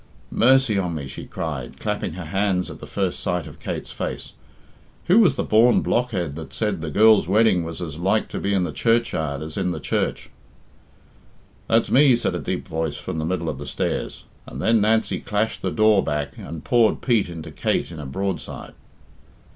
"Mercy on me!" she cried, clapping her hands at the first sight of Kate's face, "who was the born blockhead that said the girl's wedding was as like to be in the churchyard as in the church?" "That's me," said a deep voice from the middle of the stairs, and then Nancy clashed the door back and poured Pete into Kate in a broadside.